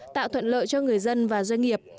tạo thuận lợi cho người dân và doanh nghiệp